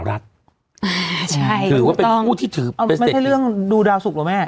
เหมือนกับเมื่ออีกที่ถือรัดถือว่าเป็นผู้ที่จะเต็ม